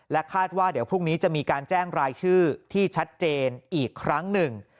คาดว่าเดี๋ยวพรุ่งนี้จะมีการแจ้งรายชื่อที่ชัดเจนอีกครั้งหนึ่ง